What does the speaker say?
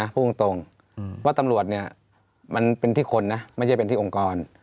พูดตรงว่าตำรวจเนี่ยมันเป็นที่คนนะไม่ใช่เป็นที่องค์กร